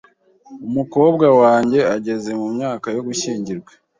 Umukobwa wanjye ageze mu myaka yo gushyingirwa .